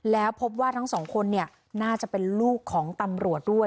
แล้วพบว่าทั้งสองคนน่าจะเป็นลูกของตำรวจด้วย